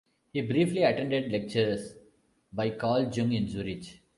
He briefly attended lectures by Carl Jung in Zurich.